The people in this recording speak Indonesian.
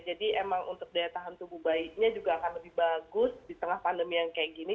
jadi emang untuk daya tahan tubuh bayinya juga akan lebih bagus di tengah pandemi yang kayak gini